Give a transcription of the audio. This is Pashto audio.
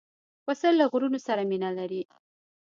پسه له غرونو سره مینه لري.